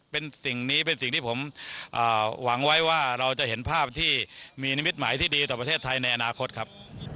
เป็นสิ่งนี้เป็นสิ่งที่ผมหวังไว้ว่าเราจะเห็นภาพที่มีนิมิตหมายที่ดีต่อประเทศไทยในอนาคตครับ